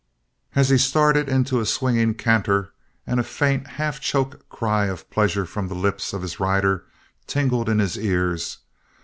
He started into a swinging canter. And a faint, half choked cry of pleasure from the lips of his rider tingled in his ears.